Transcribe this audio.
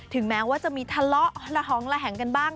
แม้ว่าจะมีทะเลาะระหองระแหงกันบ้าง